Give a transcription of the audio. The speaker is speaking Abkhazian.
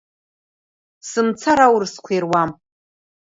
Сымцар аурысқәа ируам.